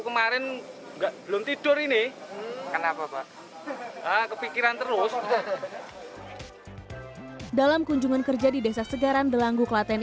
kemarin enggak belum tidur ini kenapa pak kepikiran terus dalam kunjungan kerja di desa segaran delanggu klaten